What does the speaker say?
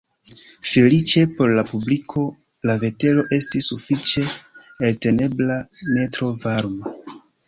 Feliĉe por la publiko, la vetero estis sufiĉe eltenebla, ne tro varma.